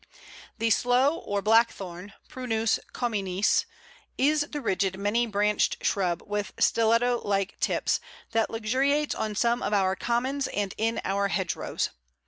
] The Sloe or Blackthorn (Prunus communis) is the rigid many branched shrub, with stiletto like tips, that luxuriates on some of our commons and in our hedgerows.